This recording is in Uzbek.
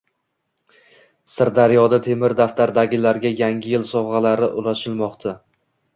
Sirdaryoda “Temir daftar”dagilarga Yangi yil sovg‘alari ulashilmoqda